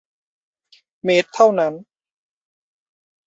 เมตรเท่านั้น